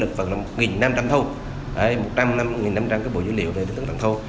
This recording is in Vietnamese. một năm trăm linh cái bộ dữ liệu đến tận xã thôn